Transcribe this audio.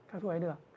các thuốc đáy đường